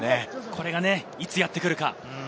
これが、いつやってくるか。